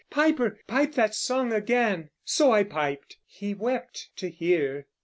"Piper, pipe that song again;" So I piped:, he wept to hear.